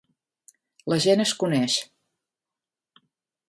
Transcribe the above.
La gent es coneix.